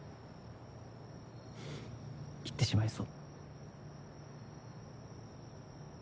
行ってしまいそう。